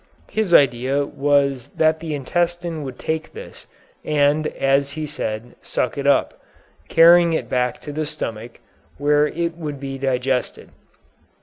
His idea was that the intestine would take this, and, as he said, suck it up, carrying it back to the stomach, where it would be digested.